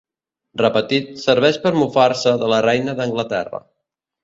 Repetit, serveix per mofar-se de la reina d'Anglaterra.